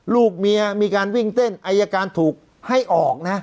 ลูกเมียมีการวิ่งเต้นอายการถูกให้ออกนะ